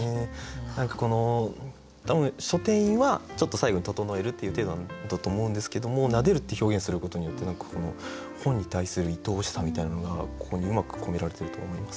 何かこの多分書店員はちょっと最後に整えるっていう体なんだと思うんですけども「撫でる」って表現することによって本に対するいとおしさみたいなのがここにうまく込められてると思います。